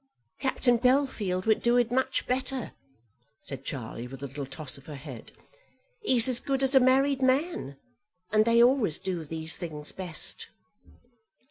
"Captain Bellfield would do it much better," said Charlie, with a little toss of her head; "he's as good as a married man, and they always do these things best."